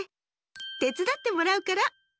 てつだってもらうから。